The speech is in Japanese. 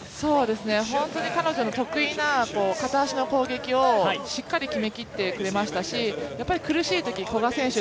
本当に彼女の得意な片足の攻撃をしっかり決めきってくれましたし苦しいとき、古賀選手